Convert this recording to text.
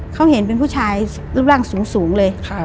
เขาเห็นเป็นผู้ชายรูปร่างสูงเลย